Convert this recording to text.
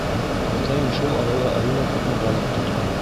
Атайым шул арала әллә күпме балыҡ тотҡан.